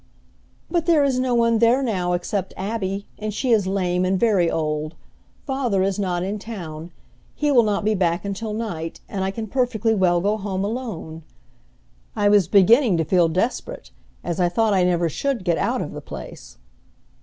"But there is no one there now, except Abby, and she is lame and very old. Father is not in town. He will not be back until night, and I can perfectly well go home alone!" I was beginning to feel desperate, as I thought I never should get out of the place.